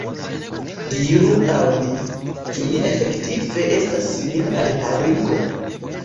Diru al mi, ĉu mi efektive estas simila al haringo?